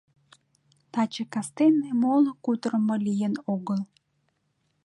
Таче кастене моло кутырымо лийын огыл.